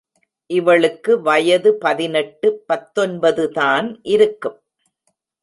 இவளுக்கு வயது பதினெட்டு, பத்தொன்பது தான் இருக்கும்.